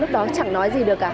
lúc đó chẳng nói gì được cả